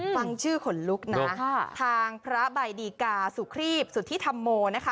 ฟังชื่อขนลุกนะทางพระใบดีกาสุครีบสุธิธรรมโมนะคะ